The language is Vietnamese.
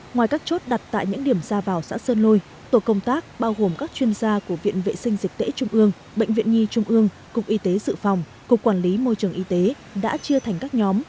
ngoài các chốt đặt tại những điểm ra vào xã sơn lôi tổ công tác bao gồm các chuyên gia của viện vệ sinh dịch tễ trung ương bệnh viện nhi trung ương cục y tế dự phòng cục quản lý môi trường y tế đã chia thành các nhóm